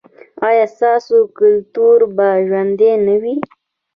ایا ستاسو کلتور به ژوندی نه وي؟